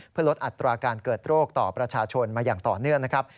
เพื่อลดอัตราการเกิดโรคต่อประชาชนมาอย่างต่อเนื่องนะครับ